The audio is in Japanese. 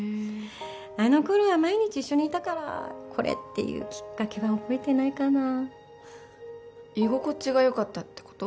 あの頃は毎日一緒にいたからこれっていうきっかけは覚えてないかな居心地がよかったってこと？